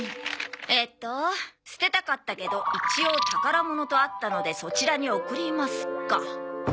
えっと「捨てたかったけど一応宝物とあったのでそちらに送ります」か。